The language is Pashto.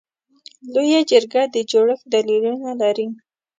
لویه جرګه د جوړښت دلیلونه لري.